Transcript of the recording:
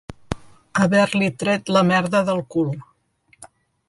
Haver-li tret la merda del cul.